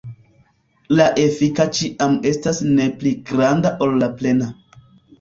La efika ĉiam estas ne pli granda ol la plena.